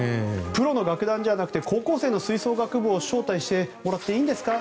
プロの楽団じゃなくて高校生の吹奏楽部を招待していいんですか？